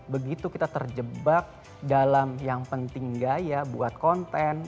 begitu kita terjebak dalam yang penting gaya buat konten